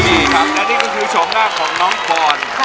นี่ครับและนี่ก็คือโฉมหน้าของน้องปอน